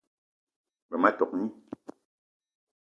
G-beu ma tok gni.